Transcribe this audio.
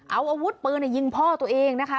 เอาอาวุธปืนยิงพ่อตัวเองนะคะ